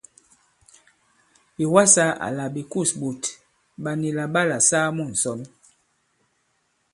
Ɓè wasā àlà ɓè kûs ɓòt ɓà nì là ɓalà saa mu ŋ̀sɔn.